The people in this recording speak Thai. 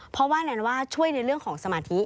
เพราะว่าแนนว่าช่วยในเรื่องของสมาธิ